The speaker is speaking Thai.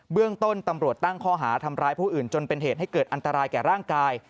เรื่องต้นตำรวจตั้งข้อหาทำร้ายผู้อื่นจนเป็นเหตุให้เกิดอันตรายแก่ร่างกาย